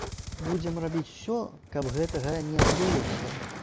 Будзем рабіць усё, каб гэтага не адбылося.